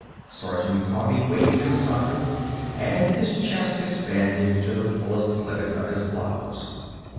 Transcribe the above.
Sergeant Coffee waved him aside, and his chest expanded to the fullest limit of his blouse.